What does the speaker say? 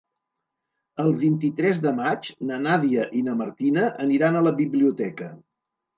El vint-i-tres de maig na Nàdia i na Martina aniran a la biblioteca.